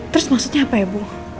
terus maksudnya apa ya bu